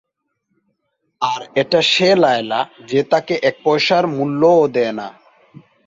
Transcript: আর এটা সে লায়লা যে তাকে এক পয়সার মূল্য ও দেয় না।